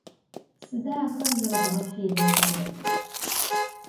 Sıda axer zeredğefêdexerer?